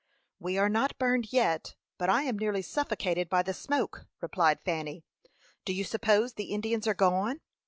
"We are not burned yet, but I am nearly suffocated by the smoke," replied Fanny. "Do you suppose the Indians are gone?"